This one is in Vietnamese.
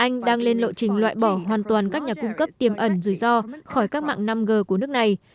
anh đang lên lộ trình loại bỏ hoàn toàn các nhà cung cấp tiềm ẩn rủi ro khỏi các mạng năm g của nước này